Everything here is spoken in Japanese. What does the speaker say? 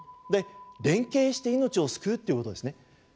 で連携して命を救うっていうことですね。